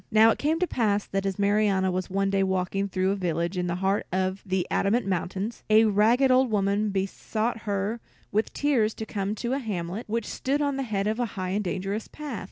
Now it came to pass that, as Marianna was one day walking through a village in the heart of the Adamant Mountains, a ragged old woman besought her with tears to come to a hamlet which stood at the head of a high and dangerous path.